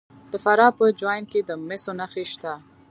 د فراه په جوین کې د مسو نښې شته.